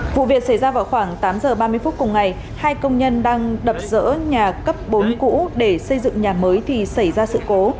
vụ việc xảy ra vào khoảng tám giờ ba mươi phút cùng ngày hai công nhân đang đập dỡ nhà cấp bốn cũ để xây dựng nhà mới thì xảy ra sự cố